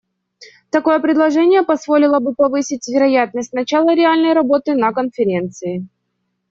Такое предложение позволило бы повысить вероятность начала реальной работы на Конференции.